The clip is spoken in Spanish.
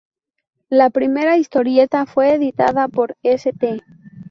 La primera historieta fue editada por St.